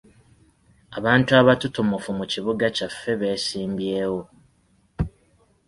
Abantu abatutumufu mu kibuga kyaffe beesimbyewo.